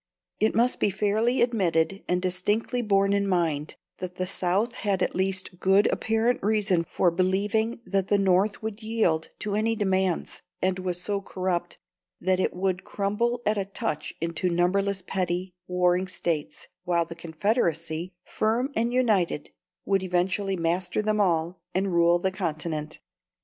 It must be fairly admitted, and distinctly borne in mind, that the South had at least good apparent reason for believing that the North would yield to any demands, and was so corrupt that it would crumble at a touch into numberless petty, warring States, while the Confederacy, firm and united, would eventually master them all, and rule the Continent.